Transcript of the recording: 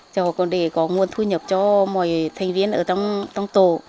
cho họ còn để có nguồn thu nhập cho mọi thành viên ở trong tổ